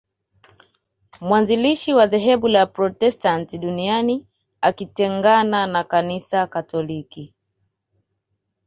Mwanzilishi wa dhehebu la Waprotestant duniani akitengana na Kanisa katoliki